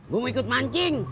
gue mau ikut mancing